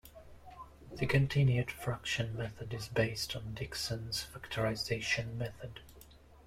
The continued fraction method is based on Dixon's factorization method.